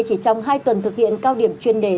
chỉ trong hai tuần thực hiện cao điểm chuyên đề